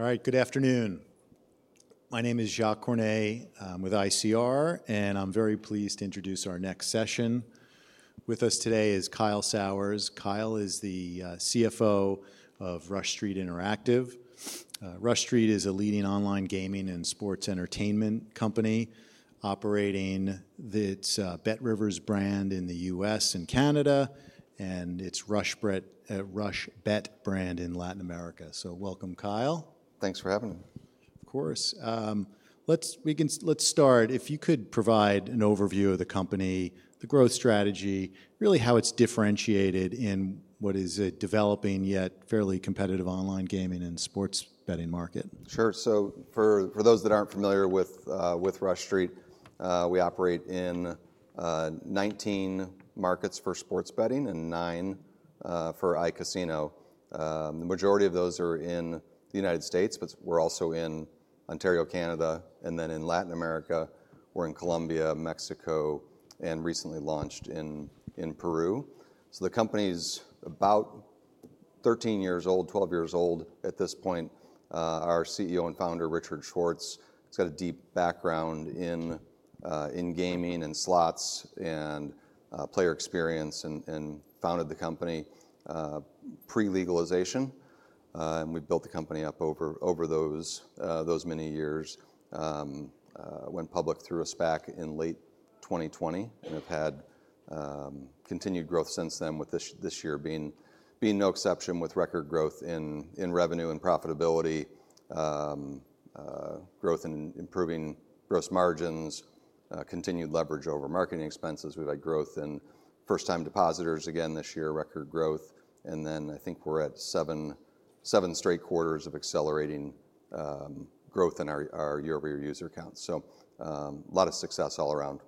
All right, good afternoon. My name is Jacques Cornet with ICR, and I'm very pleased to introduce our next session. With us today is Kyle Sauers. Kyle is the CFO of Rush Street Interactive. Rush Street is a leading online gaming and sports entertainment company operating its BetRivers brand in the U.S. and Canada, and its RushBet brand in Latin America. So welcome, Kyle. Thanks for having me. Of course. Let's start. If you could provide an overview of the company, the growth strategy, really how it's differentiated in what is a developing yet fairly competitive online gaming and sports betting market? Sure. So for those that aren't familiar with Rush Street, we operate in 19 markets for sports betting and nine for iCasino. The majority of those are in the United States, but we're also in Ontario, Canada, and then in Latin America. We're in Colombia, Mexico, and recently launched in Peru, so the company's about thirteen years old, twelve years old at this point. Our CEO and founder, Richard Schwartz, has got a deep background in gaming and slots and player experience and founded the company pre-legalization, and we built the company up over those many years, went public through a SPAC in late 2020, and have had continued growth since then, with this year being no exception with record growth in revenue and profitability, growth in improving gross margins, continued leverage over marketing expenses. We've had growth in first-time depositors again this year, record growth. And then I think we're at seven straight quarters of accelerating growth in our year-over-year user count. So a lot of success all around.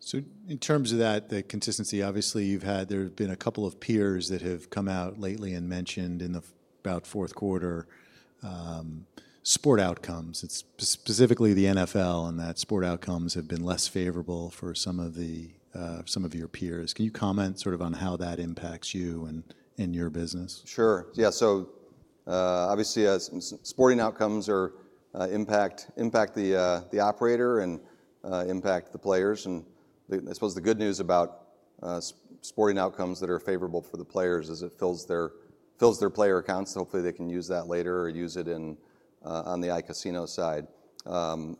So, in terms of that, the consistency, obviously there have been a couple of peers that have come out lately and mentioned something about fourth quarter sports outcomes. It's specifically the NFL, and that sports outcomes have been less favorable for some of your peers. Can you comment sort of on how that impacts you and your business? Sure. Yeah. So obviously sporting outcomes impact the operator and impact the players. And I suppose the good news about sporting outcomes that are favorable for the players is it fills their player accounts. Hopefully they can use that later or use it on the iCasino side.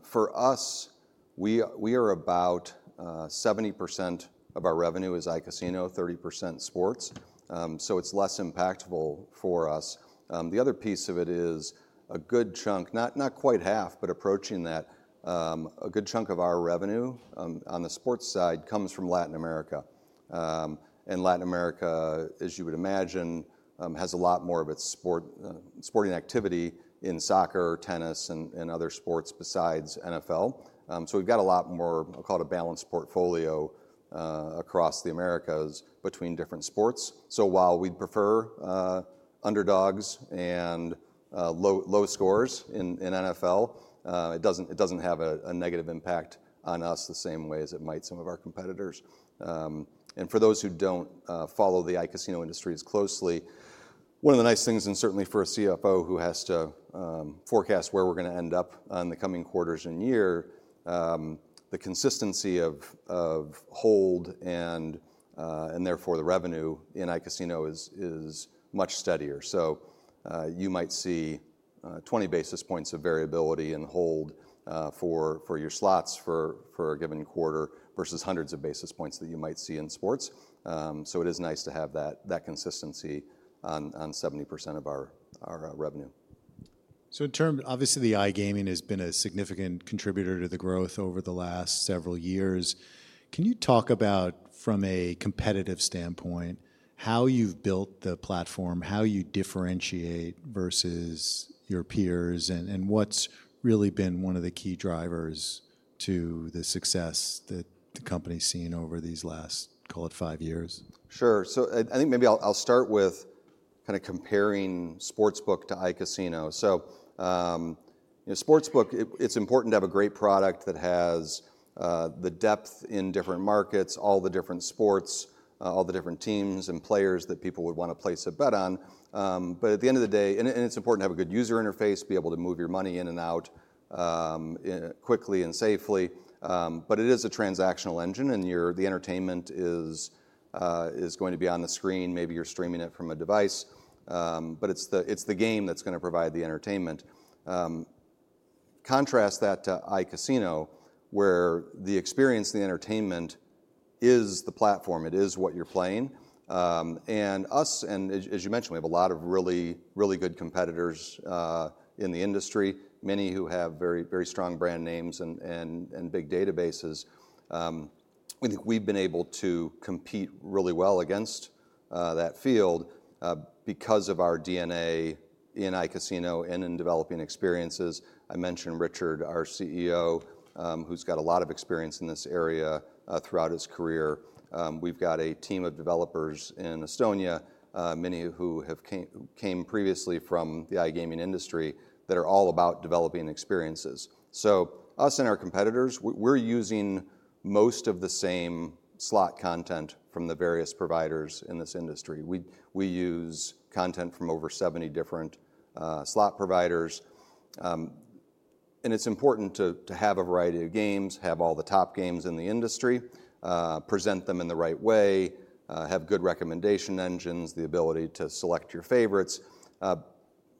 For us, we are about 70% of our revenue is iCasino, 30% sports. So it's less impactful for us. The other piece of it is a good chunk, not quite half, but approaching that, a good chunk of our revenue on the sports side comes from Latin America. And Latin America, as you would imagine, has a lot more of its sporting activity in soccer, tennis, and other sports besides NFL. So we've got a lot more. I'll call it a balanced portfolio across the Americas between different sports. So while we'd prefer underdogs and low scores in NFL, it doesn't have a negative impact on us the same way as it might some of our competitors. And for those who don't follow the iCasino industry as closely, one of the nice things, and certainly for a CFO who has to forecast where we're going to end up in the coming quarters and year, the consistency of hold and therefore the revenue in iCasino is much steadier. So you might see 20 basis points of variability in hold for your slots for a given quarter versus hundreds of basis points that you might see in sports. So it is nice to have that consistency on 70% of our revenue. So in terms of obviously the iGaming has been a significant contributor to the growth over the last several years. Can you talk about, from a competitive standpoint, how you've built the platform, how you differentiate versus your peers, and what's really been one of the key drivers to the success that the company's seen over these last, call it, five years? Sure. So I think maybe I'll start with kind of comparing sportsbook to iCasino. So sportsbook, it's important to have a great product that has the depth in different markets, all the different sports, all the different teams and players that people would want to place a bet on. But at the end of the day, and it's important to have a good user interface, be able to move your money in and out quickly and safely. But it is a transactional engine, and the entertainment is going to be on the screen. Maybe you're streaming it from a device, but it's the game that's going to provide the entertainment. Contrast that to iCasino, where the experience, the entertainment is the platform. It is what you're playing. As you mentioned, we have a lot of really good competitors in the industry, many who have very strong brand names and big databases. We think we've been able to compete really well against that field because of our DNA in iCasino and in developing experiences. I mentioned Richard, our CEO, who's got a lot of experience in this area throughout his career. We've got a team of developers in Estonia, many who came previously from the iGaming industry that are all about developing experiences. So us and our competitors, we're using most of the same slot content from the various providers in this industry. We use content from over 70 different slot providers. And it's important to have a variety of games, have all the top games in the industry, present them in the right way, have good recommendation engines, the ability to select your favorites.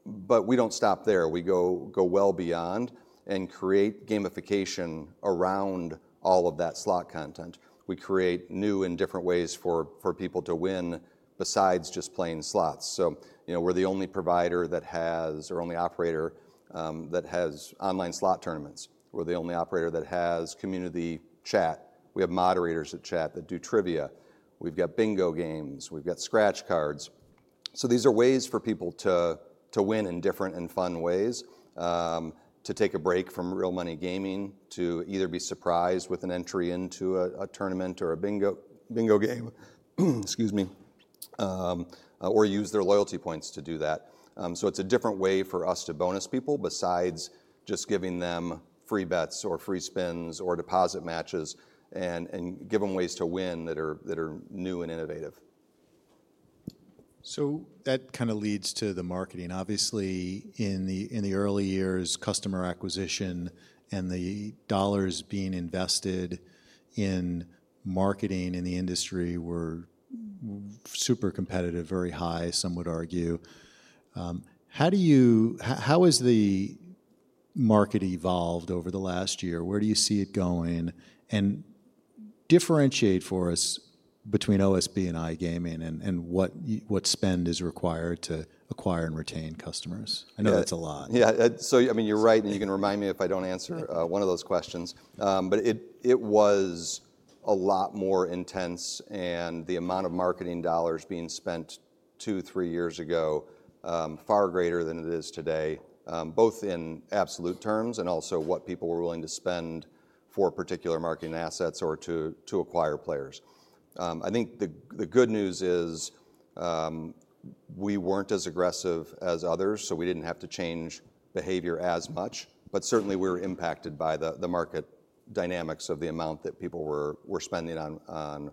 But we don't stop there. We go well beyond and create gamification around all of that slot content. We create new and different ways for people to win besides just playing slots. So we're the only provider that has, or only operator that has online slot tournaments. We're the only operator that has community chat. We have moderators that chat that do trivia. We've got bingo games. We've got scratch cards. So these are ways for people to win in different and fun ways, to take a break from real money gaming, to either be surprised with an entry into a tournament or a bingo game, excuse me, or use their loyalty points to do that. So it's a different way for us to bonus people besides just giving them free bets or free spins or deposit matches and give them ways to win that are new and innovative. So that kind of leads to the marketing. Obviously, in the early years, customer acquisition and the dollars being invested in marketing in the industry were super competitive, very high, some would argue. How has the market evolved over the last year? Where do you see it going? And differentiate for us between OSB and iGaming and what spend is required to acquire and retain customers. I know that's a lot. Yeah. So I mean, you're right, and you can remind me if I don't answer one of those questions. But it was a lot more intense, and the amount of marketing dollars being spent two, three years ago far greater than it is today, both in absolute terms and also what people were willing to spend for particular marketing assets or to acquire players. I think the good news is we weren't as aggressive as others, so we didn't have to change behavior as much. But certainly we were impacted by the market dynamics of the amount that people were spending on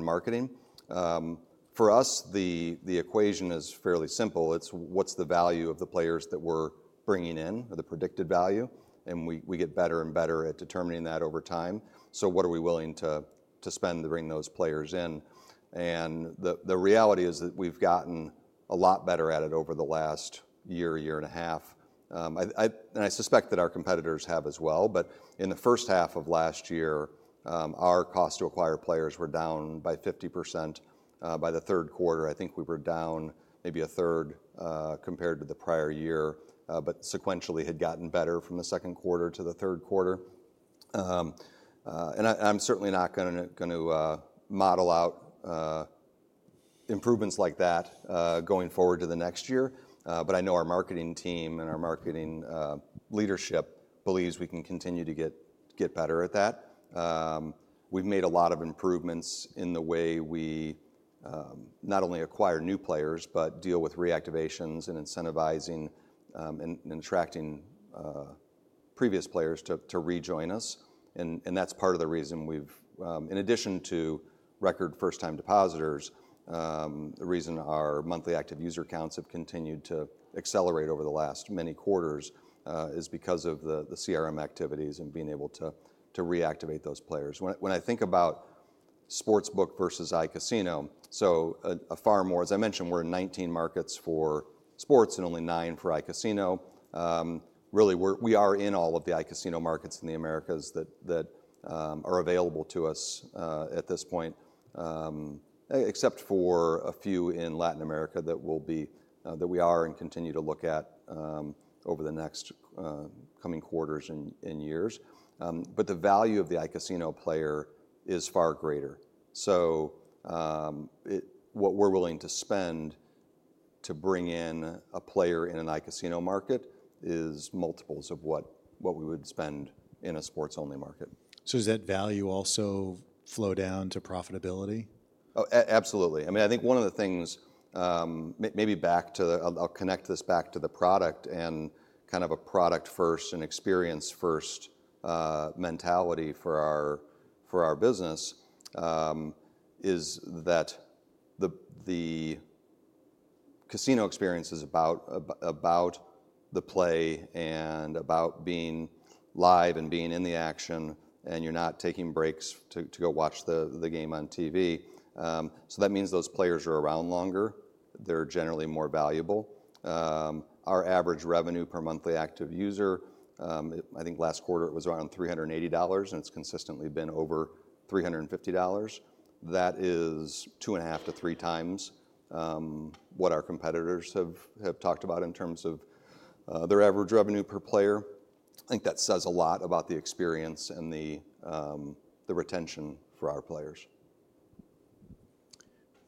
marketing. For us, the equation is fairly simple. It's what's the value of the players that we're bringing in, the predicted value. And we get better and better at determining that over time. So what are we willing to spend to bring those players in? The reality is that we've gotten a lot better at it over the last year, year and a half. I suspect that our competitors have as well. In the first half of last year, our cost to acquire players were down by 50%. By the third quarter, I think we were down maybe a third compared to the prior year, but sequentially had gotten better from the second quarter to the third quarter. I'm certainly not going to model out improvements like that going forward to the next year. I know our marketing team and our marketing leadership believes we can continue to get better at that. We've made a lot of improvements in the way we not only acquire new players, but deal with reactivations and incentivizing and attracting previous players to rejoin us. That's part of the reason we've, in addition to record first-time depositors, the reason our monthly active user counts have continued to accelerate over the last many quarters is because of the CRM activities and being able to reactivate those players. When I think about sportsbook versus iCasino, so far more, as I mentioned, we're in 19 markets for sports and only 9 for iCasino. Really, we are in all of the iCasino markets in the Americas that are available to us at this point, except for a few in Latin America that we are and continue to look at over the next coming quarters and years. The value of the iCasino player is far greater. What we're willing to spend to bring in a player in an iCasino market is multiples of what we would spend in a sports-only market. So does that value also flow down to profitability? Absolutely. I mean, I think one of the things, maybe back to, I'll connect this back to the product and kind of a product-first and experience-first mentality for our business is that the casino experience is about the play and about being live and being in the action, and you're not taking breaks to go watch the game on TV. So that means those players are around longer. They're generally more valuable. Our average revenue per monthly active user, I think last quarter it was around $380, and it's consistently been over $350. That is two and a half to three times what our competitors have talked about in terms of their average revenue per player. I think that says a lot about the experience and the retention for our players.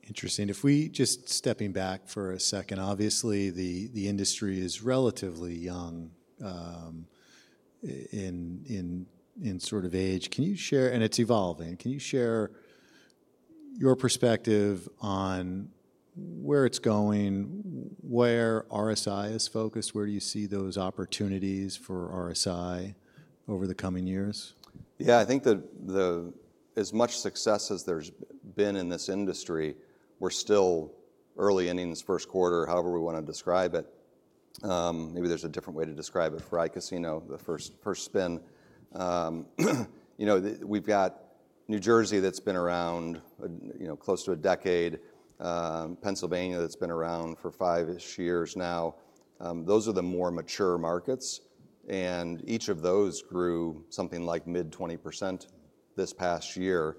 Interesting. If we just step back for a second, obviously the industry is relatively young in sort of age. Can you share, and it's evolving, can you share your perspective on where it's going, where RSI is focused, where do you see those opportunities for RSI over the coming years? Yeah. I think that as much success as there's been in this industry, we're still early in this first quarter, however we want to describe it. Maybe there's a different way to describe it for iCasino, the first spin. We've got New Jersey that's been around close to a decade, Pennsylvania that's been around for five-ish years now. Those are the more mature markets. And each of those grew something like mid-20% this past year.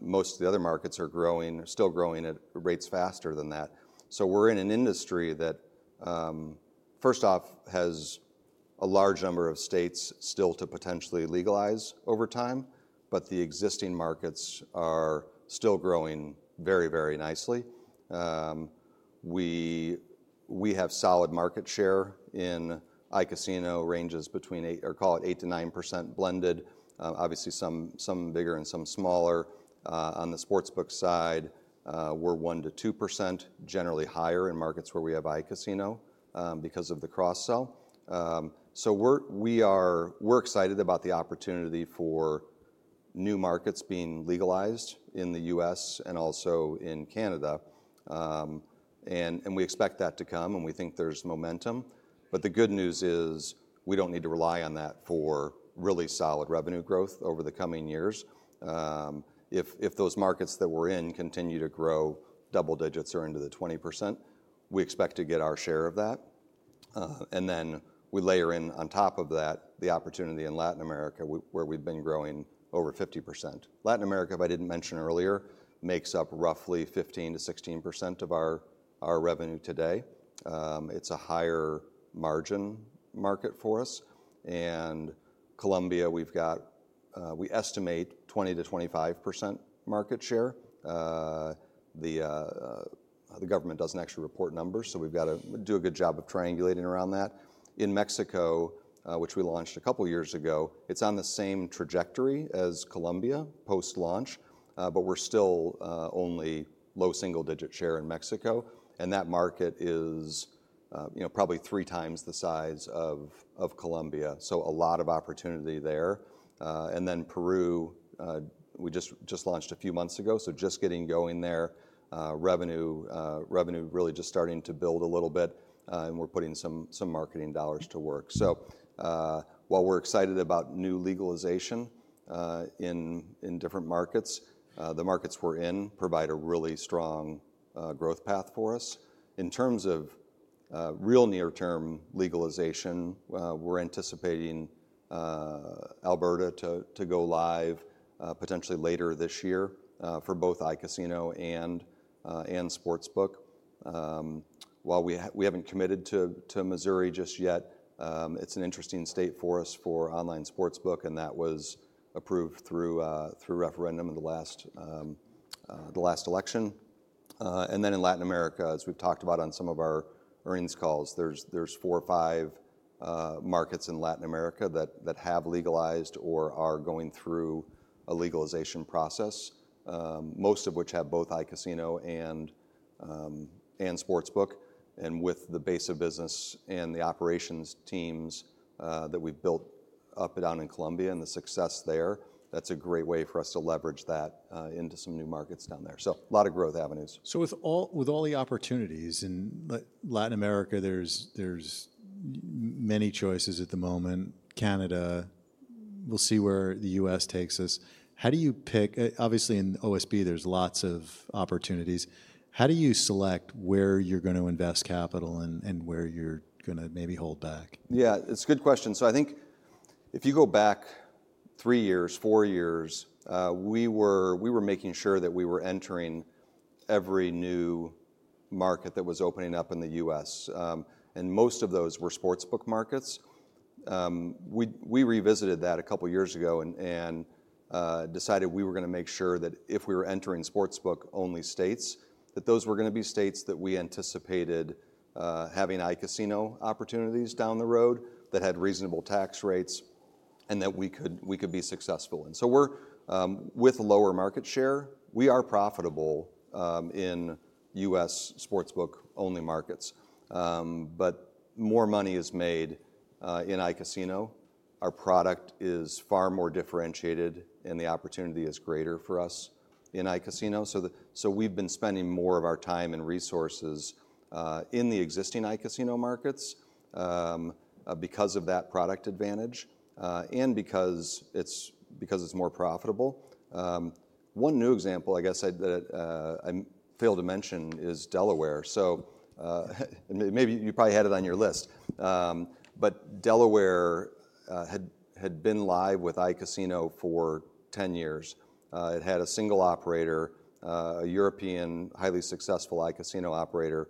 Most of the other markets are growing, still growing at rates faster than that. So we're in an industry that, first off, has a large number of states still to potentially legalize over time, but the existing markets are still growing very, very nicely. We have solid market share in iCasino ranges between eight, or call it 8%-9% blended, obviously some bigger and some smaller. On the sportsbook side, we're 1%-2%, generally higher in markets where we have iCasino because of the cross-sell, so we're excited about the opportunity for new markets being legalized in the U.S. and also in Canada, and we expect that to come, and we think there's momentum, but the good news is we don't need to rely on that for really solid revenue growth over the coming years. If those markets that we're in continue to grow double digits or into the 20%, we expect to get our share of that, and then we layer in on top of that the opportunity in Latin America, where we've been growing over 50%. Latin America, if I didn't mention earlier, makes up roughly 15%-16% of our revenue today. It's a higher margin market for us, and Colombia, we estimate 20%-25% market share. The government doesn't actually report numbers, so we've got to do a good job of triangulating around that. In Mexico, which we launched a couple of years ago, it's on the same trajectory as Colombia post-launch, but we're still only low single-digit share in Mexico. And that market is probably three times the size of Colombia. So a lot of opportunity there. And then Peru, we just launched a few months ago, so just getting going there, revenue really just starting to build a little bit, and we're putting some marketing dollars to work. So while we're excited about new legalization in different markets, the markets we're in provide a really strong growth path for us. In terms of real near-term legalization, we're anticipating Alberta to go live potentially later this year for both iCasino and sportsbook. While we haven't committed to Missouri just yet, it's an interesting state for us for online sportsbook, and that was approved through referendum in the last election. And then in Latin America, as we've talked about on some of our earnings calls, there's four or five markets in Latin America that have legalized or are going through a legalization process, most of which have both iCasino and sportsbook. And with the base of business and the operations teams that we've built up and down in Colombia and the success there, that's a great way for us to leverage that into some new markets down there. So a lot of growth avenues. So with all the opportunities in Latin America, there's many choices at the moment. Canada, we'll see where the U.S. takes us. How do you pick? Obviously, in OSB, there's lots of opportunities. How do you select where you're going to invest capital and where you're going to maybe hold back? Yeah, it's a good question. So I think if you go back three years, four years, we were making sure that we were entering every new market that was opening up in the U.S. And most of those were sportsbook markets. We revisited that a couple of years ago and decided we were going to make sure that if we were entering sportsbook-only states, that those were going to be states that we anticipated having iCasino opportunities down the road that had reasonable tax rates and that we could be successful in. So with lower market share, we are profitable in U.S. sportsbook-only markets. But more money is made in iCasino. Our product is far more differentiated, and the opportunity is greater for us in iCasino. So we've been spending more of our time and resources in the existing iCasino markets because of that product advantage and because it's more profitable. One new example, I guess I failed to mention, is Delaware. So maybe you probably had it on your list. But Delaware had been live with iCasino for 10 years. It had a single operator, a European highly successful iCasino operator.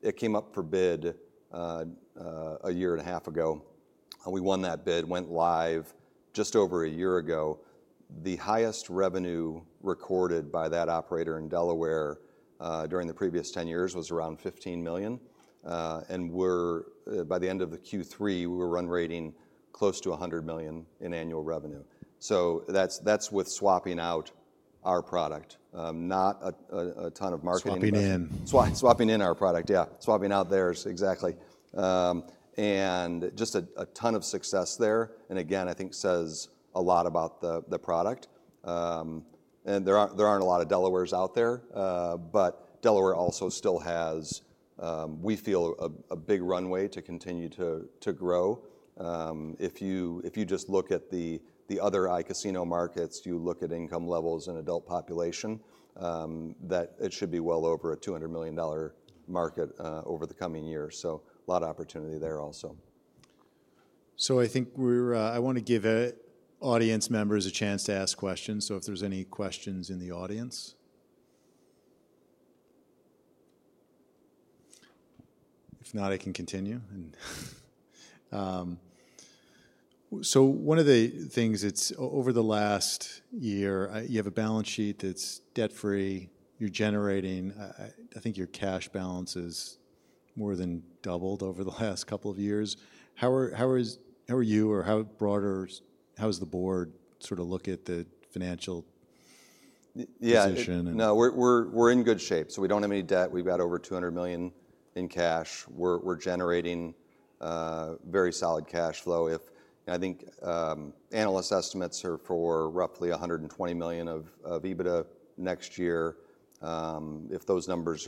It came up for bid a year and a half ago. We won that bid, went live just over a year ago. The highest revenue recorded by that operator in Delaware during the previous 10 years was around $15 million. And by the end of the Q3, we were run rating close to $100 million in annual revenue. So that's with swapping out our product, not a ton of marketing. Swapping in. Swapping in our product, yeah. Swapping out there, exactly. And just a ton of success there. And again, I think says a lot about the product. And there aren't a lot of Delawares out there, but Delaware also still has, we feel, a big runway to continue to grow. If you just look at the other iCasino markets, you look at income levels and adult population, that it should be well over a $200 million market over the coming years. So a lot of opportunity there also. I think I want to give audience members a chance to ask questions. If there's any questions in the audience, if not, I can continue. One of the things over the last year, you have a balance sheet that's debt-free. You're generating. I think your cash balance is more than doubled over the last couple of years. How are you, or how broader, how does the board sort of look at the financial position? Yeah, no, we're in good shape. So we don't have any debt. We've got over $200 million in cash. We're generating very solid cash flow. I think analyst estimates are for roughly $120 million of EBITDA next year. If those numbers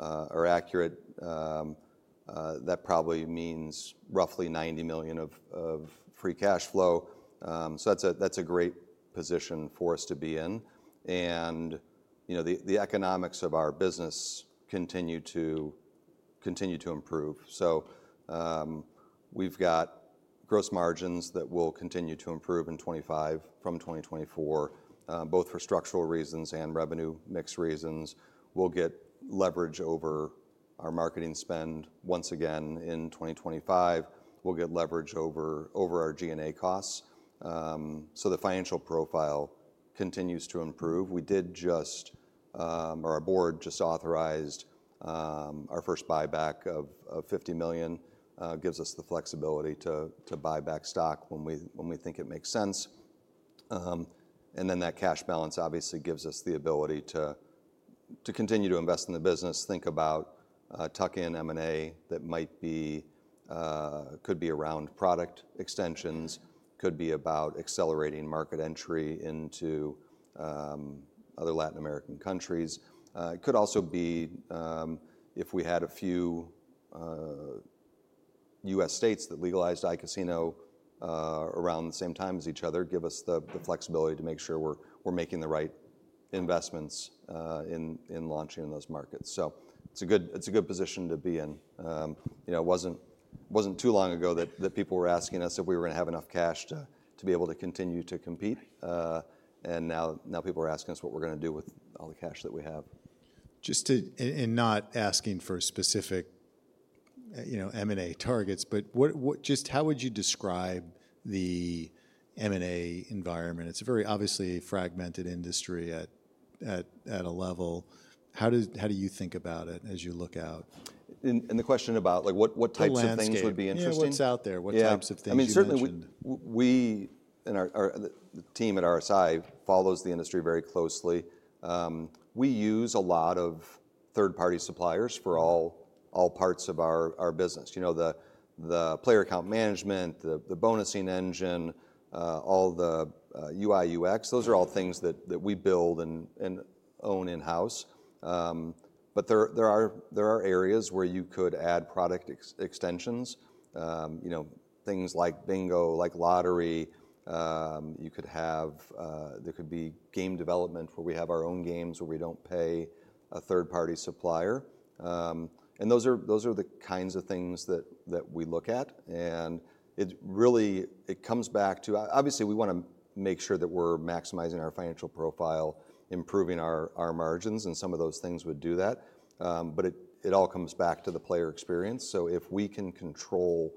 are accurate, that probably means roughly $90 million of free cash flow. So that's a great position for us to be in. And the economics of our business continue to improve. So we've got gross margins that will continue to improve from 2024, both for structural reasons and revenue mix reasons. We'll get leverage over our marketing spend once again in 2025. We'll get leverage over our G&A costs. So the financial profile continues to improve. We did just, or our board just authorized our first buyback of $50 million, gives us the flexibility to buy back stock when we think it makes sense. That cash balance obviously gives us the ability to continue to invest in the business, think about tucking in M&A that could be around product extensions, could be about accelerating market entry into other Latin American countries. It could also be, if we had a few U.S. states that legalized iCasino around the same time as each other, give us the flexibility to make sure we're making the right investments in launching in those markets. So it's a good position to be in. It wasn't too long ago that people were asking us if we were going to have enough cash to be able to continue to compete. And now people are asking us what we're going to do with all the cash that we have. And not asking for specific M&A targets, but just how would you describe the M&A environment? It's a very obviously fragmented industry at a level. How do you think about it as you look out? The question about what types of things would be interesting? What's out there? What types of things are interesting? I mean, certainly we and our team at RSI follows the industry very closely. We use a lot of third-party suppliers for all parts of our business. The player account management, the bonusing engine, all the UI/UX, those are all things that we build and own in-house, but there are areas where you could add product extensions, things like bingo, like lottery, you could have, there could be game development where we have our own games where we don't pay a third-party supplier, and those are the kinds of things that we look at, and it really comes back to, obviously we want to make sure that we're maximizing our financial profile, improving our margins, and some of those things would do that, but it all comes back to the player experience. So if we can control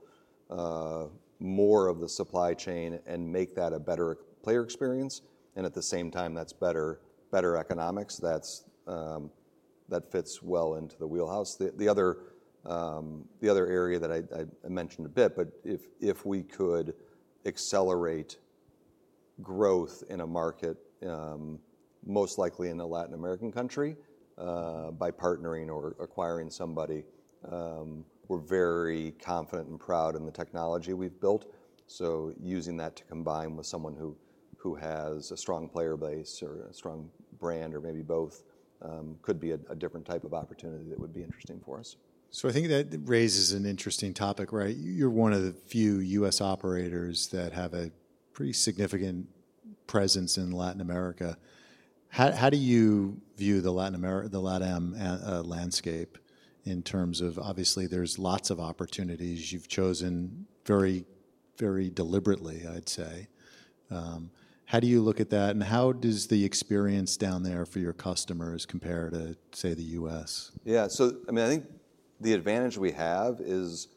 more of the supply chain and make that a better player experience, and at the same time, that's better economics, that fits well into the wheelhouse. The other area that I mentioned a bit, but if we could accelerate growth in a market, most likely in a Latin American country, by partnering or acquiring somebody, we're very confident and proud in the technology we've built. So using that to combine with someone who has a strong player base or a strong brand or maybe both could be a different type of opportunity that would be interesting for us. So I think that raises an interesting topic, right? You're one of the few U.S. operators that have a pretty significant presence in Latin America. How do you view the Latin America landscape in terms of, obviously there's lots of opportunities you've chosen very deliberately, I'd say. How do you look at that? And how does the experience down there for your customers compare to, say, the U.S.? Yeah, so I mean, I think the advantage we have is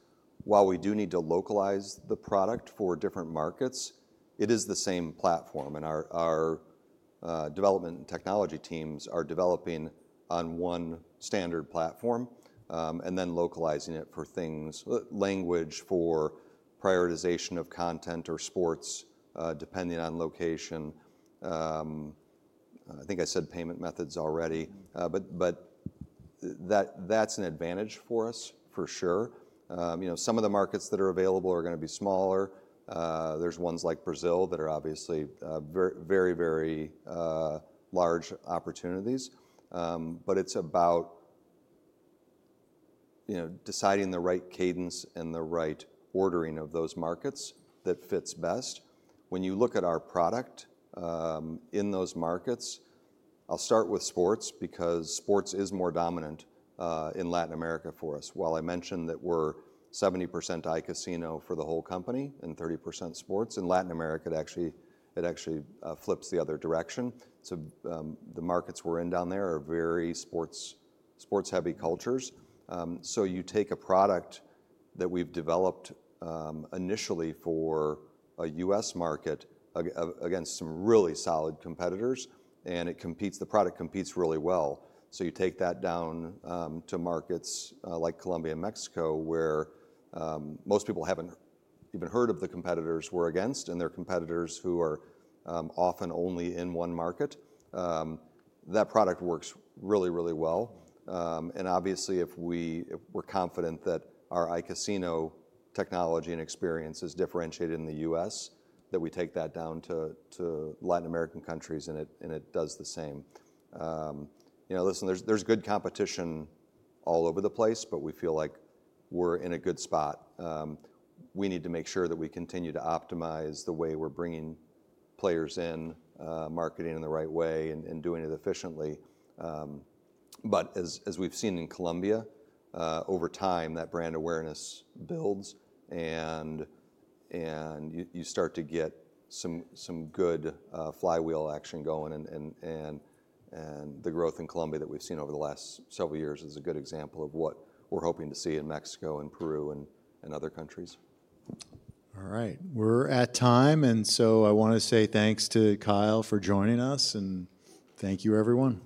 while we do need to localize the product for different markets, it is the same platform, and our development and technology teams are developing on one standard platform and then localizing it for things, language for prioritization of content or sports depending on location. I think I said payment methods already, but that's an advantage for us for sure. Some of the markets that are available are going to be smaller. There's ones like Brazil that are obviously very, very large opportunities, but it's about deciding the right cadence and the right ordering of those markets that fits best. When you look at our product in those markets, I'll start with sports because sports is more dominant in Latin America for us. While I mentioned that we're 70% iCasino for the whole company and 30% sports in Latin America, it actually flips the other direction, so the markets we're in down there are very sports-heavy cultures, so you take a product that we've developed initially for a U.S. market against some really solid competitors, and the product competes really well, so you take that down to markets like Colombia and Mexico where most people haven't even heard of the competitors we're against and their competitors who are often only in one market. That product works really, really well. And obviously, if we're confident that our iCasino technology and experience is differentiated in the U.S., that we take that down to Latin American countries and it does the same. Listen, there's good competition all over the place, but we feel like we're in a good spot. We need to make sure that we continue to optimize the way we're bringing players in, marketing in the right way and doing it efficiently. But as we've seen in Colombia, over time, that brand awareness builds and you start to get some good flywheel action going. And the growth in Colombia that we've seen over the last several years is a good example of what we're hoping to see in Mexico and Peru and other countries. All right, we're at time, and so I want to say thanks to Kyle for joining us, and thank you, everyone.